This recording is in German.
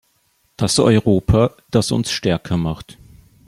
Das Europa, das uns stärker macht.